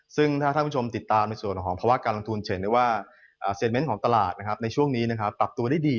ซึ่งถ้าท่านผู้ชมติดตามในส่วนของภาวะการลงทุนจะเห็นได้ว่าเซนเมนต์ของตลาดนะครับในช่วงนี้นะครับปรับตัวได้ดี